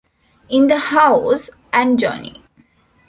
In the House" and "Johnny".